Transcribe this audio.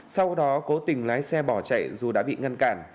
sau đó cố tình lái xe bỏ chạy dù đã bị ngăn cản